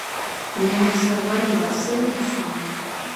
محمدسرور واصل حسنيار